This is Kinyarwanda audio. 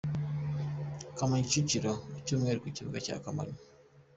Kamonyi-Kicukiro : Ku cyumweru ku kibuga cya Kamonyi.